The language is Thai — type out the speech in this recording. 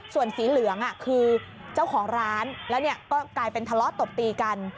ส่วนสีเหลืองคือเจ้าของร้านแล้วก็กลายเป็นทะเลาะตบตีกัน